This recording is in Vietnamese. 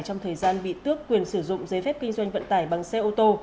trong thời gian bị tước quyền sử dụng giấy phép kinh doanh vận tải bằng xe ô tô